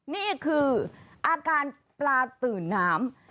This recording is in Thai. นี่คืออาการปลาตื่นน้ำ